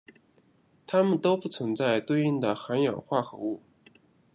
它们都不存在对应的含氧化合物。